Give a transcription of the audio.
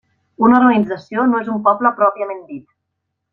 Una urbanització no és un poble pròpiament dit.